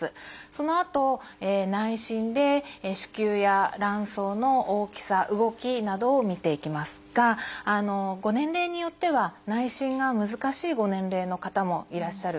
そのあと内診で子宮や卵巣の大きさ動きなどを診ていきますがご年齢によっては内診が難しいご年齢の方もいらっしゃる。